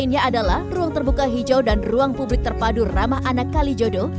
yang juga menjadi contohnya ruang terbuka hijau dan ruang publik terpadu ramah anak kali jodoh